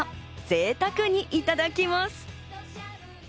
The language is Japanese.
ぜいたくにいただきます。